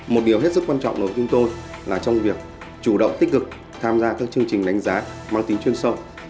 một điều hết sức quan trọng đối với chúng tôi là trong việc chủ động tích cực tham gia các chương trình đánh giá mang tính chuyên sâu